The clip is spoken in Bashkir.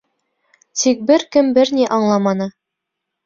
Тик бер кем бер ни аңламаны.